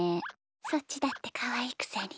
そっちだってかわいいくせに。